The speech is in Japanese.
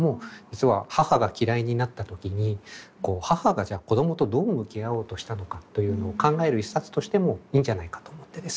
実は母が嫌いになった時に母が子供とどう向き合おうとしたのかというのを考える一冊としてもいいんじゃないかと思ってですね紹介してみました。